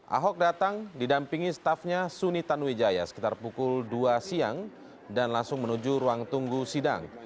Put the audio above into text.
ahok datang didampingi staffnya suni tanuwijaya sekitar pukul dua siang dan langsung menuju ruang tunggu sidang